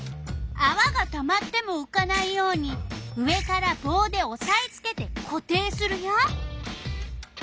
あわがたまってもうかないように上からぼうでおさえつけてこ定するよ。